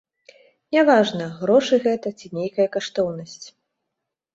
Няважна, грошы гэта ці нейкая каштоўнасць.